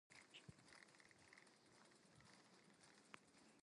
He received two silver medals of valor and reached the rank of captain.